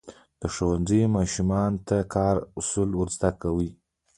ښوونځی ماشومانو ته د کار اصول ورزده کوي.